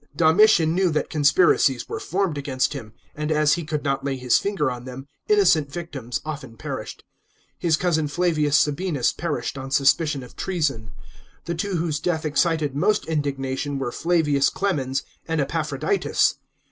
* Domitian knew that conspiracies were formed against him, and as he could not lay his finger on them, innocent victims often perished. His cousin Flavius Submits perished on suspicion of treason. The two whose death excited most indignation were Flavius Clemens and Epaphroditus.